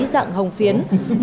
dạng hồng phiến